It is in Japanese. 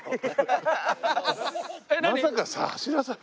まさかさ走らされ。